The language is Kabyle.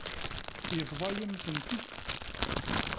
Yebḍa-yam-ten-id.